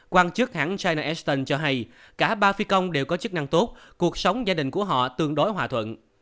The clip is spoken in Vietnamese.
quan chức hãng china eston cho hay cả ba phi công đều có chức năng tốt cuộc sống gia đình của họ tương đối hòa thuận